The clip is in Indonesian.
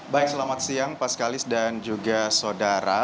baik selamat siang pak sekalis dan juga saudara